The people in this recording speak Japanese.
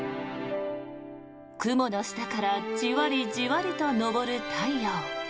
雲の下からじわりじわりと昇る太陽。